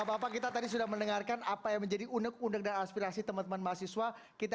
bapak bapak kita tadi sudah mendengarkan apa yang menjadi unek unek dan aspirasi teman teman mahasiswa kita